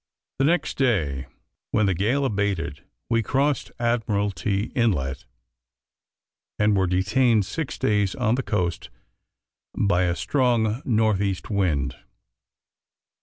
The next day, when the gale abated we crossed Admiralty Inlet, and were detained six days on the coast by a strong N. E. wind.